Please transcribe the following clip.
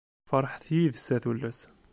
Ferḥet yid-s, a tullas!